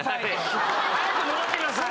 「早く戻ってください」。